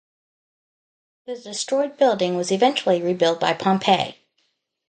The destroyed building was eventually rebuilt by Pompey.